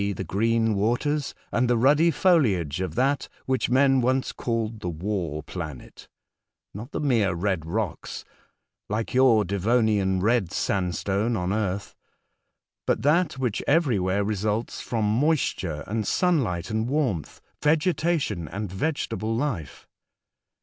the green waters and the ruddy foliage of that which men once called the w^ar planet ; not the mere red rocks (like your Devonian red sand stone on earth), but that which everywhere results from moisture and sunlight and warmth — vegetation and vege table life.